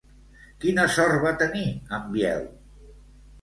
Quina sort va tenir en Biel?